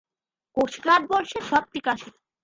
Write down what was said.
Coast guard বলছে সব ঠিক আছে।